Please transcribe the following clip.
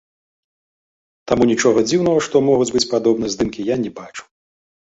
Таму нічога дзіўнага, што могуць быць падобныя здымкі, я не бачу.